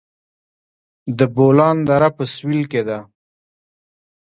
د بولان دره په سویل کې ده